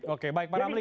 oke baik pak ramli